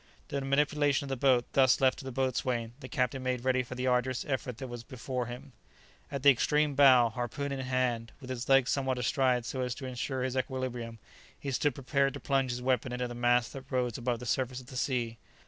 The manipulation of the boat thus left to the boatswain, the captain made ready for the arduous effort that was before him. At the extreme bow, harpoon in hand, with his legs somewhat astride so as to insure his equilibrium, he stood prepared to plunge his weapon into the mass that rose above the surface of the sea.